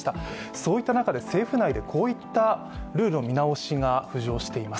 そういった中で政府内でこういったルールの見直しが浮上しています。